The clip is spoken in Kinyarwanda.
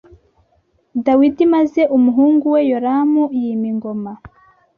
Dawidi maze umuhungu we Yoramu yima ingoma